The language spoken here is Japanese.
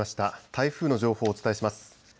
台風の情報をお伝えします。